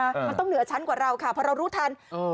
มันต้องเหนือชั้นกว่าเราค่ะเพราะเรารู้ทัน